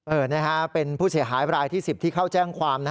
เอิญนะครับเป็นผู้เสียหายปรายที่๑๐ที่เข้าแจ้งความ